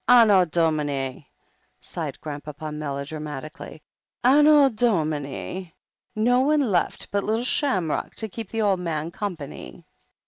"Anno Domini," sighed Grandpapa melodramati cally, "Anno Domini! No one left but little Sham rock to keep the old man company."